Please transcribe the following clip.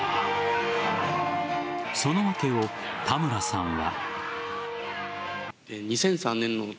その訳を田村さんは。